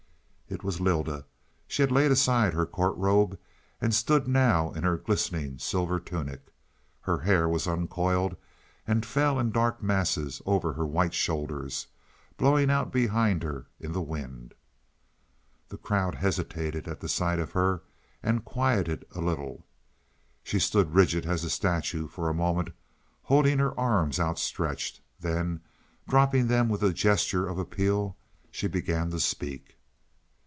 It was Lylda. She had laid aside her court robe and stood now in her glistening silver tunic. Her hair was uncoiled, and fell in dark masses over her white shoulders, blowing out behind her in the wind. The crowd hesitated at the sight of her, and quieted a little. She stood rigid as a statue for a moment, holding her arms outstretched. Then, dropping them with a gesture of appeal she began to speak.